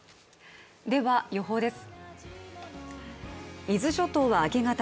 では予報です。